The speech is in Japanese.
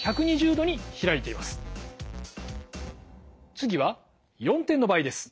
次は４点の場合です。